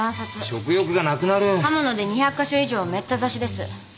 刃物で２００か所以上をめった刺しです。